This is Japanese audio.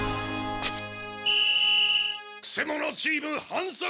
くせ者チーム反則！